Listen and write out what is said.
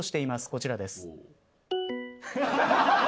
こちらです。